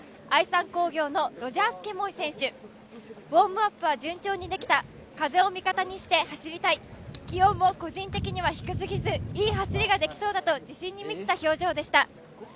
愛三工業のロジャース・ケモイ選手ウォームアップは順調にできた、風を味方にして走りたい、気温も個人的には低すぎず、いい走りができそうだと自信に満ちた表情でした。